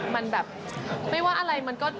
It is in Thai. มันแบบไม่ว่าอะไร